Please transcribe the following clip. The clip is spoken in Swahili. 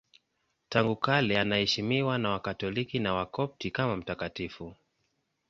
Tangu kale anaheshimiwa na Wakatoliki na Wakopti kama mtakatifu.